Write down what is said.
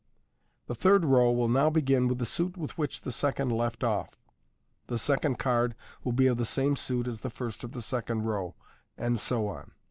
The third row will begin with the suit with which the second left off, the second card will be of the same suit as the first of the second row, and so on.